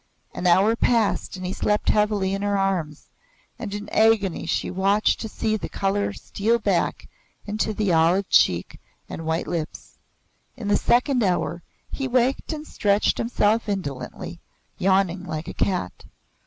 An hour passed and he slept heavily in her arms, and in agony she watched to see the colour steal back into the olive cheek and white lips. In the second hour he waked and stretched himself indolently, yawning like a cat.